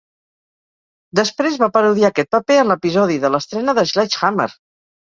Després va parodiar aquest paper en l'episodi de l'estrena de Sledge Hammer!